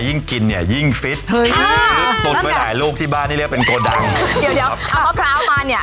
ยิ่งกินเนี่ยยิ่งฟิตไปหลายลูกที่บ้านที่เรียกเป็นโกดังเดี๋ยวเดี๋ยวเอามะพร้าวมาเนี่ย